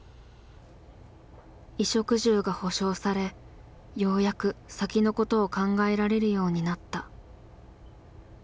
衣食住が保証されようやく先のことを考えられるようになった。